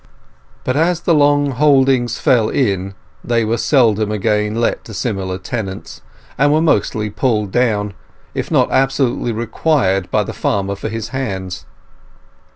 But as the long holdings fell in, they were seldom again let to similar tenants, and were mostly pulled down, if not absolutely required by the farmer for his hands.